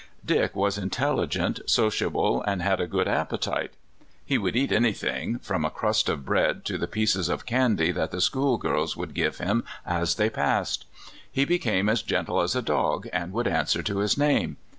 Dick was intelligent, sociable, and had a good appetite. He would eat anything, from a crust of bread to the pieces of candy that the schoolgirls would give him as they passed. He became as gentle as a dog, and would answ^er to his name.